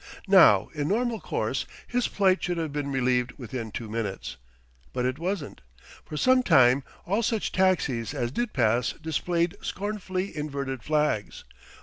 Now in normal course his plight should have been relieved within two minutes. But it wasn't. For some time all such taxis as did pass displayed scornfully inverted flags.